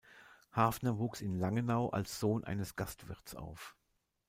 Hafner wuchs in Langenau als Sohn eines Gastwirts auf.